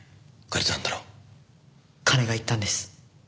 金が要ったんです。